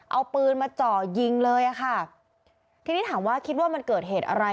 เอาปืนมาเจาะยิงเลยอ่ะค่ะทีนี้ถามว่าคิดว่ามันเกิดเหตุอะไร